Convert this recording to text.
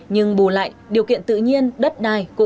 nhưng bù lại điều kiện tự nhiên đất đai